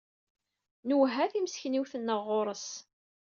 Nwehha timeskenwin-nneɣ ɣur-s.